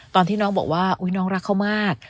ตอนที่น้องบอกว่าอุ๊ยน้องรักเขามาก